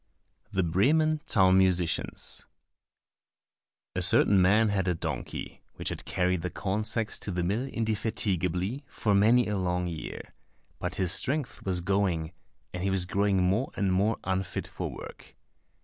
27 The Bremen Town Musicians A certain man had a donkey, which had carried the corn sacks to the mill indefatigably for many a long year; but his strength was going, and he was growing more and more unfit for work.